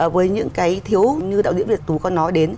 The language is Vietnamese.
với những cái thiếu như đạo diễn việt tú có nói đến